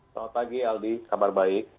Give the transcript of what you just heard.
selamat pagi aldi kabar baik